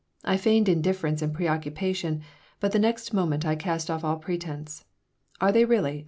I feigned indifference and preoccupation, but the next moment I cast off all pretense "Are they really?"